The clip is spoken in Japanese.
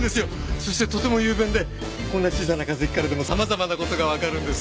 そしてとても雄弁でこんな小さな化石からでも様々な事がわかるんです。